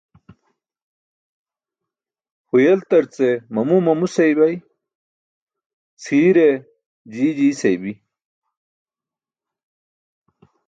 Huyeltarce mamu mamu seybay, cʰiire jii jii seybi.